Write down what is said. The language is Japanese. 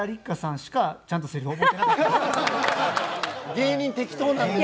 芸人適当なんですよ。